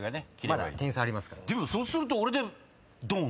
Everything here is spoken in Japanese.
でもそうすると俺でドン！